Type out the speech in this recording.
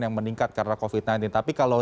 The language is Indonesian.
yang meningkat karena covid sembilan belas tapi kalau